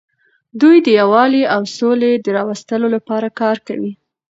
دوی د یووالي او سولې د راوستلو لپاره کار کوي.